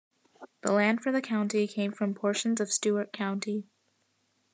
The land for the county came from portions of Stewart County.